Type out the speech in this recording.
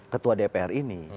ketua dpr ini